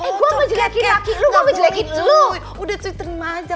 eh gua mau jelekin laki gua mau jelekin lu